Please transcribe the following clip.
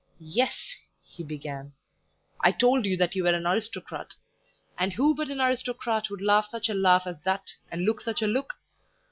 "Yes," he began, "I told you that you were an aristocrat, and who but an aristocrat would laugh such a laugh as that, and look such a look?